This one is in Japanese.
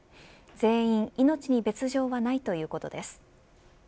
全員、命に別条はないということです。